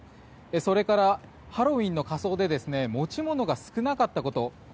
それから、ハロウィーンの仮装で持ち物が少なかったこと。